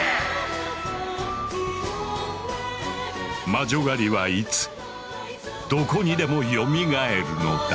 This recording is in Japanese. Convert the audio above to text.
魔女狩りはいつどこにでもよみがえるのだ。